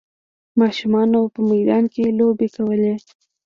ماشومانو په میدان کې لوبه کوله.